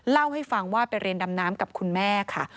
เล่าให้ฟังว่าไปเรียนดำน้ำกับคุณแม่ค่ะ